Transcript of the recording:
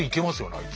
あいつ。